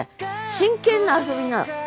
真剣な遊びなの。